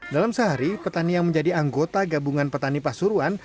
dalam sehari petani yang menjadi anggota gabungan petani pasuruan